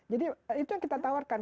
jadi itu yang kita tawarkan